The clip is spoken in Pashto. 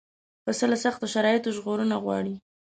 پسه له سختو شرایطو ژغورنه غواړي.